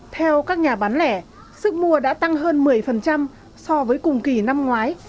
theo các nhà bán lẻ sức mua đã tăng hơn một mươi so với cùng kỳ năm ngoái